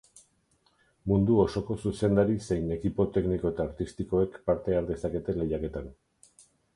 Mundu osoko zuzendari zein ekipo tekniko eta artistikoek parte har dezakete lehiaketan.